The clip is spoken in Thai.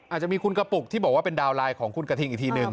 อาจจะมีคุณกระปุกที่บอกว่าเป็นดาวนไลน์ของคุณกระทิงอีกทีหนึ่ง